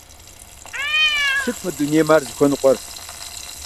Сыт мы дунейм ар зыхуэныкъуэр?